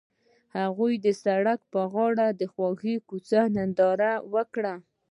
هغوی د سړک پر غاړه د خوږ کوڅه ننداره وکړه.